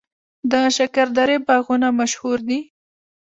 د شکردرې باغونه مشهور دي